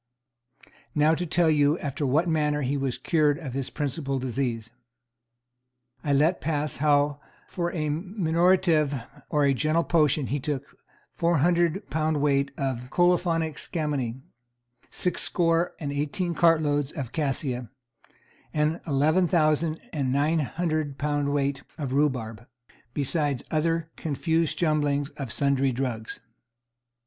Now to tell you after what manner he was cured of his principal disease. I let pass how for a minorative or gentle potion he took four hundred pound weight of colophoniac scammony, six score and eighteen cartloads of cassia, an eleven thousand and nine hundred pound weight of rhubarb, besides other confuse jumblings of sundry drugs.